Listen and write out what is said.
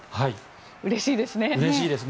うれしいですね。